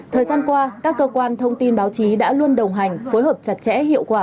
thời gian qua các cơ quan thông tin báo chí đã luôn đồng hành phối hợp chặt chẽ hiệu quả